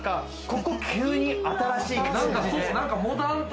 ここ、急に新しい感じ。